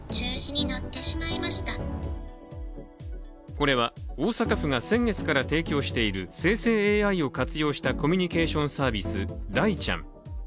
これは大阪府が先月から提供している生成ＡＩを活用したコミュニケーションサービス・大ちゃん。